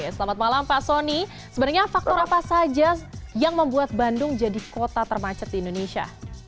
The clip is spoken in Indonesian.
selamat malam pak soni sebenarnya faktor apa saja yang membuat bandung jadi kota termacet di indonesia